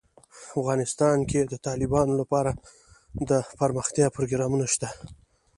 افغانستان کې د تالابونه لپاره دپرمختیا پروګرامونه شته.